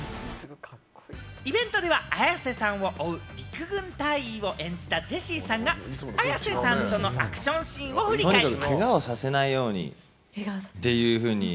イベントでは綾瀬さんを追う陸軍大尉を演じたジェシーさんが、綾瀬さんとのアクションシーンを振り返りました。